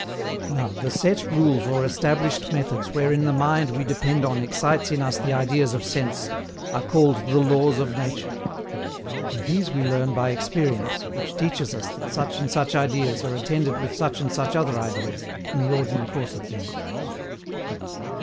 Now THE SET RULES OR ESTABLISHED METHODS WHEREIN THE MIND WE DEPEND ON EXCITES IN US THE IDEAS OF SENSE, ARE CALLED THE LAWS OF NATURE; and these we learn by experience, which teaches us that such and such ideas are attended with such and such other ideas, in the ordinary course of things.